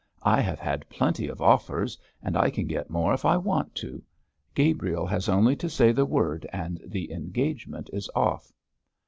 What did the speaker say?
I have had plenty of offers; and I can get more if I want to. Gabriel has only to say the word and the engagement is off.'